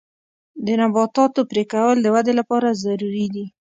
د نباتاتو پرې کول د ودې لپاره ضروري دي.